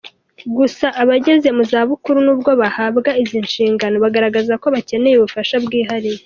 Gusa abageze mu zabukuru n’ubwo bahabwa izi nshingano bagaragaza ko bakeneye ubufasha bwihariye.